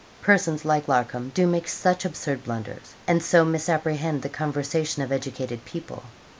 Persons like Larcom do make such absurd blunders, and so misapprehend the conversation of educated people.